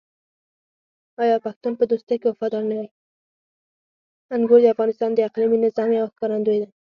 انګور د افغانستان د اقلیمي نظام یوه ښکارندوی ده.